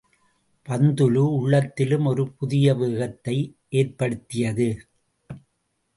பந்துலு உள்ளத்திலும் ஒரு புதிய வேகத்தை ஏற்படுத்தியது.